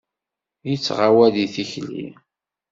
Yettɣawal di tikli.